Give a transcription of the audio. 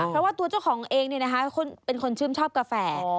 เพราะว่าตัวเจ้าของเองเป็นคนชื่นชอบกาแฟ